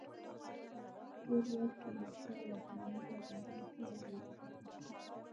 تېر لوست تیمورشاه واکمنۍ ته ځانګړی شوی و او مطالعه شو.